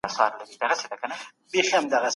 مجاهد د الله په لاره کي خپل سر ورکوی.